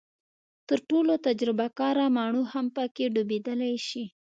تر ټولو تجربه کاره ماڼو هم پکې ډوبېدلی شي.